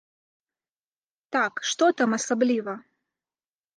Так, што там асабліва?